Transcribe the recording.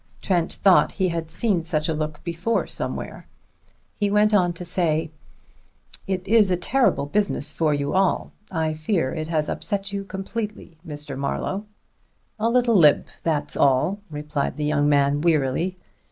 Trent thought he had seen such a look before somewhere. He went on to say: "It is a terrible business for all of you. I fear it has upset you completely, Mr. Marlowe." "A little limp, that's all," replied the young man wearily.